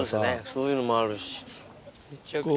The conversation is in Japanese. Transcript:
そういうのもある。